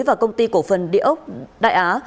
và công ty cổ phần địa ốc đại á